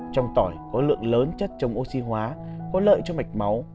trong tỏi có lượng lớn chất chống oxy hóa có lợi cho mạch máu